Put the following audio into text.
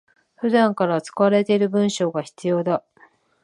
普段から使われている文章が必要だ